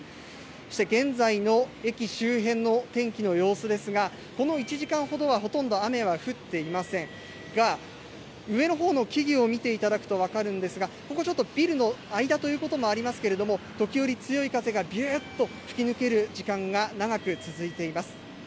そして現在の駅周辺の天気の様子ですが、この１時間ほどは、ほとんど雨は降っていませんが、上のほうの木々を見ていただくと分かるんですが、ここちょっと、ビルの間ということもありますけれども、時折強い風がびゅーっと吹き抜ける時間が長く続いています。